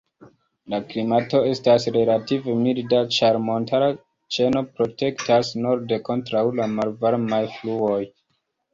La klimato estas relative milda, ĉar montara ĉeno protektas norde kontraŭ la malvarmaj fluoj.